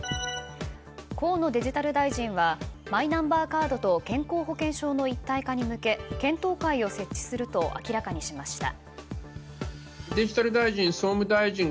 河野デジタル大臣はマイナンバーカードと健康保険証の一体化に向け検討会を設置すると明らかにしました。